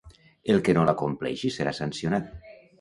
El que no la compleixi serà sancionat.